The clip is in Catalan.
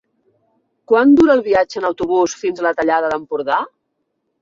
Quant dura el viatge en autobús fins a la Tallada d'Empordà?